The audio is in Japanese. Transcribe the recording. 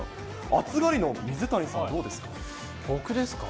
暑がりの水谷さん、どうですか。